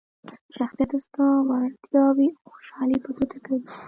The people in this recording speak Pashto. شخصیت ستا وړتیاوې او خوشحالي په ګوته کوي.